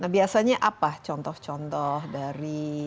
nah biasanya apa contoh contoh dari